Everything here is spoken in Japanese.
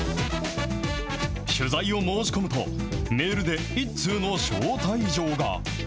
取材を申し込むと、メールで１通の招待状が。